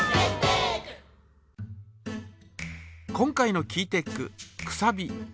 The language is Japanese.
今回のキーテックくさび。